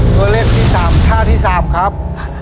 ตัวเลือกที่สามท่าที่สามครับ